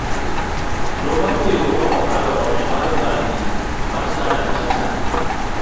nomako yo ma okalo ot mar bangi mar Standard Chartered